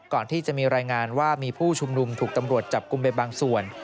ก่อนที่จะมีรายงานว่ามีผู้ชุมนุมถูกตำรวจจับกลุ่มไปบางส่วน